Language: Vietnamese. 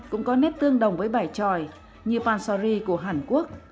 cũng có nét tương đồng với bài tròi như pansori của hàn quốc